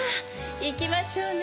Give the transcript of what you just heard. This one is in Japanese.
いきましょうね。